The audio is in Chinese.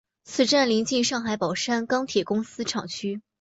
此站邻近上海宝山钢铁公司厂区。